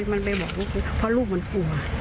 มันไปบอกลูกเพราะลูกมันกลัว